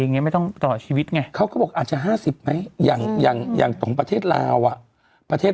อย่างงี้ไม่ต้องต่อชีวิตไงเขาก็บอกอาจจะห้าสิบไหมอย่างอย่างอย่างตรงประเทศลาวอ่ะ